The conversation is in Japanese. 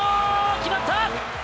決まった！